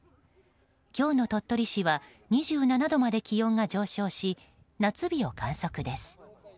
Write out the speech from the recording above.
今日の鳥取市は２７度まで気温が上昇し夏日を観測です。